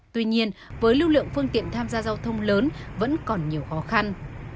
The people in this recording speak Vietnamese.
tuy nhiên với lưu lượng phương tiện tham gia giao thông lớn vẫn còn nhiều khó khăn